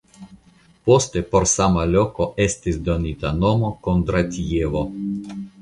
Poste por sama loko estis donita nomo Kondratjevo.